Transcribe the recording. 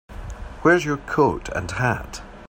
Where's your coat and hat?